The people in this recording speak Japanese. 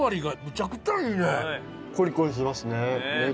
コリコリしてますね。